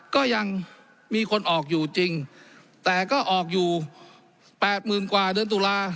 ก็ยังมีคนออกอยู่จริงแต่ก็ออกอยู่แปดหมื่นกว่าเดือนตุลา